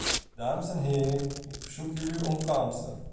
Dames en heren, ik verzoek jullie om kalmte.